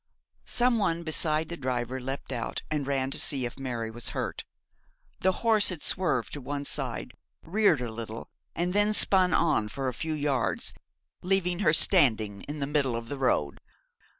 Some one beside the driver leapt out, and ran to see if Mary was hurt. The horse had swerved to one side, reared a little, and then spun on for a few yards, leaving her standing in the middle of the road.